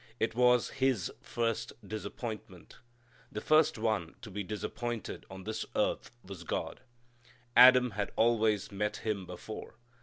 It was His first disappointment. The first one to be disappointed on this earth was God. Adam had always met Him before.